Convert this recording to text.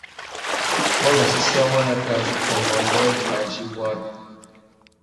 Wa mà séssa waná kā zu mù kômô ambōh kā djï bwari.